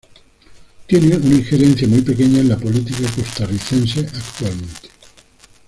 Tiene una injerencia muy pequeña en la política costarricense actualmente.